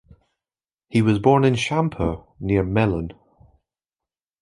He was born at Champeaux near Melun.